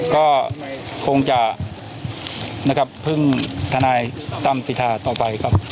ก็คงจะพึ่งทนายตามสิทธิ์ต่อไปครับ